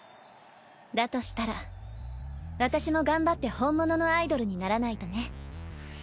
だとしたら私も頑張って本物のアイドルにならないとね。